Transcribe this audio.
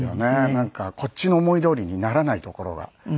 なんかこっちの思いどおりにならないところが。